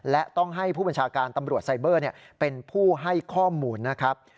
และต้องให้ผู้บัญชาการตำรวจไซเบอร์เป็นผู้ให้ข้อมูลนะครับ